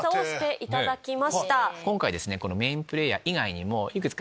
今回ですね。